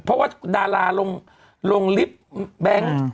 เพราะว่าดาราลงลิฟต์แบงค์